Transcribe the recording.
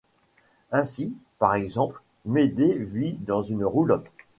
Ainsi, par exemple, Médée vit dans une roulotte.